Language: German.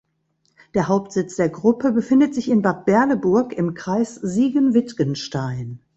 Der Hauptsitz der Gruppe befindet sich in Bad Berleburg im Kreis Siegen-Wittgenstein.